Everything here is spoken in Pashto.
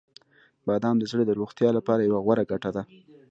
• بادام د زړه د روغتیا لپاره یوه غوره ګټه ده.